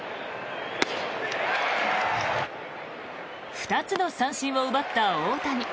２つの三振を奪った大谷。